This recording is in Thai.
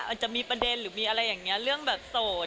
อาจจะมีประเด็นหรือมีอะไรอย่างนี้เรื่องแบบโสด